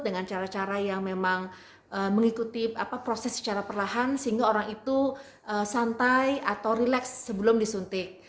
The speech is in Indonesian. dengan cara cara yang memang mengikuti proses secara perlahan sehingga orang itu santai atau relax sebelum disuntik